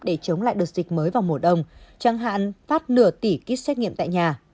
để chống lại đợt dịch mới vào mùa đông chẳng hạn phát nửa tỷ kit xét nghiệm tại nhà